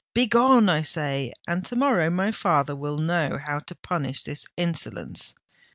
"Begone, I say—and to morrow my father will know how to punish this insolence."